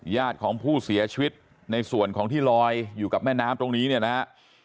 ญาติของผู้เสียชีวิตในส่วนของที่ลอยอยู่กับแม่น้ำตรงนี้เนี่ยนะฮะ